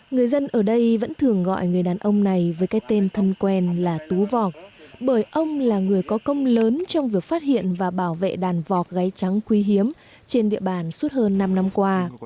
người dân ở đây vẫn thường gọi người đàn ông này với cái tên thân quen là tú vọc bởi ông là người có công lớn trong việc phát hiện và bảo vệ đàn vọc gáy trắng quý hiếm trên địa bàn suốt hơn năm năm qua